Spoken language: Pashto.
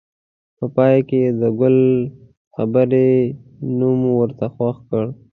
په پای کې یې د ګل خبرې نوم ورته خوښ کړ.